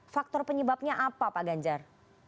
faktor penyebabnya apa pak ganjar